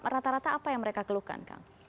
rata rata apa yang mereka keluhkan kang